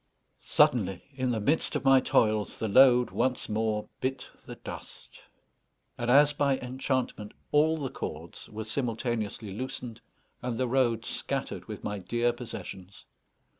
Suddenly, in the midst of my toils, the load once more bit the dust, and, as by enchantment, all the cords were simultaneously loosened, and the road scattered with my dear possessions.